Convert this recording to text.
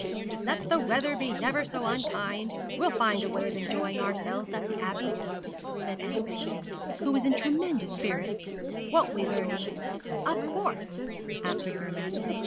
'Let the weather be never so unkind, we'll find a way of enjoying ourselves at the Abbey,' said Aunt Betsy, who was in tremendous spirits, 'won't we, Vernie?' 'Of course,' answered Vernon.